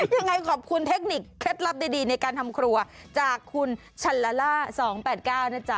ยังไงขอบคุณเทคนิคเคล็ดลับดีในการทำครัวจากคุณชันลาล่า๒๘๙นะจ๊ะ